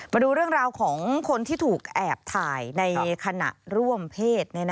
มาดูเรื่องราวของคนที่ถูกแอบถ่ายในขณะร่วมเพศ